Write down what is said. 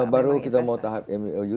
baru kita mau tahap mou